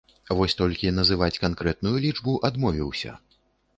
Вось толькі называць канкрэтную лічбу адмовіўся.